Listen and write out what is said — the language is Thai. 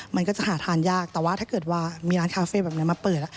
มันก็จะหาทานยากแต่ว่าถ้าเกิดว่ามีร้านคาเฟ่แบบนี้มาเปิดแล้ว